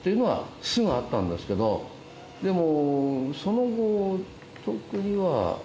・でも。